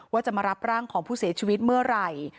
ว่าจะมารับร่างของผู้เสียชีวิตเมื่อไหร่